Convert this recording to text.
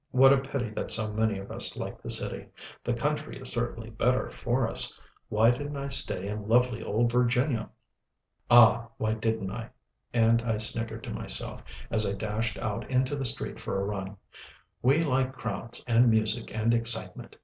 What a pity that so many of us like the city. The country is certainly better for us. Why didn't I stay in lovely old Virginia? Ah! why didn't I? And I snickered to myself, as I dashed out into the street for a run. We like crowds, and music, and excitement.